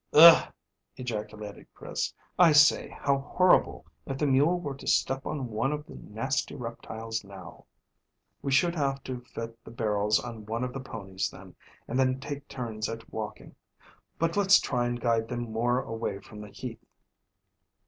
"Ugh!" ejaculated Chris. "I say, how horrible if the mule were to step on one of the nasty reptiles now." "We should have to fit the barrels on one of the ponies then, and take turns at walking. But let's try and guide them more away from the heath."